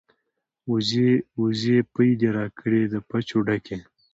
ـ وزې وزې پۍ دې راکړې د پچو ډکې.